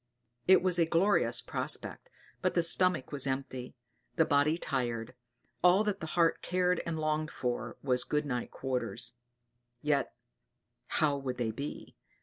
It was a glorious prospect; but the stomach was empty, the body tired; all that the heart cared and longed for was good night quarters; yet how would they be?